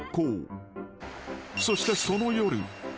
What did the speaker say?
［そしてその夜］